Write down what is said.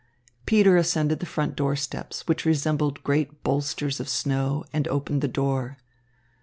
Peter ascended the front door steps, which resembled great bolsters of snow, and opened the door.